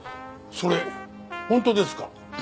それ本当ですか？